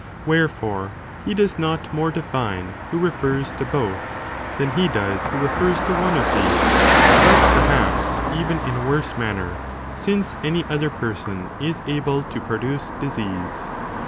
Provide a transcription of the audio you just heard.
Wherefore he does not more de fine, who refers to both,* than he does who refers to one,f of these, but perhaps even in a worse manner, since any other person{ is able to pro duce disease.